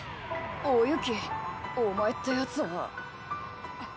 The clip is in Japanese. おユキお前ってやつは。